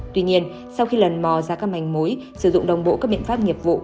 tuy nhiên sau khi lần mò ra các mảnh mối sử dụng đồng bộ các biện pháp nghiệp vụ